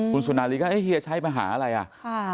คุณสุนารีก็เอ๊ะเฮียชัยมาหาอะไรอ่ะ